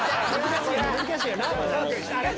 難しいよな？